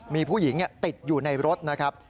มีผู้หญิงติดอยู่ในรถนะครับ